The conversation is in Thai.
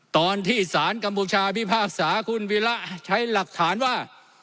ตอนที่สารกัมพูชาพิพากษาคุณวีระใช้หลักฐานว่า